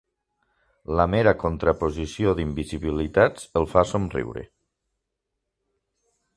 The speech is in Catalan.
La mera contraposició d'invisibilitats el fa somriure.